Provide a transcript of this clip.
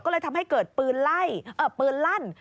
ก็เลยทำให้เกิดปืนไล่ปืนลั่น